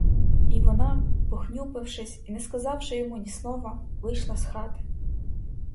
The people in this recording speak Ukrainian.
І вона, похнюпившись і не сказавши йому ні слова, вийшла з хати.